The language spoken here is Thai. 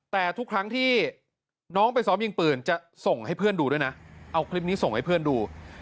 แต่ทุกครั้งที่น้องไปซ้อมยิงปืนจะส่งให้เพื่อนดูด้วยนะเอาคลิปนี้ส่งให้เพื่อนดู